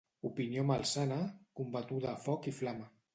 Opinió malsana, combatuda a foc i flama.